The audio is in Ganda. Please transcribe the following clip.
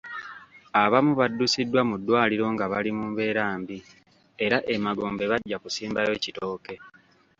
Abamu baddusiddwa mu ddwaliro nga bali mu mbeera mbi era emagombe bajja kusimbayo kitooke.